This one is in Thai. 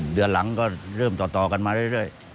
เดือนหลังก็เริ่มต่อกันมาเรื่อย